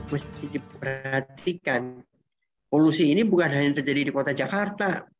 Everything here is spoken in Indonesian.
mesti diperhatikan polusi ini bukan hanya terjadi di kota jakarta